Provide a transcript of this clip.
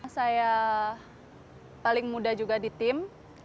saya paling muda juga di tim